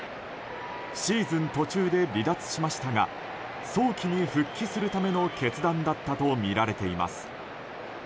シーズン途中で離脱しましたが早期に復帰するための決断だったとみられています。